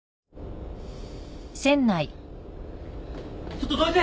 ちょっとどいて！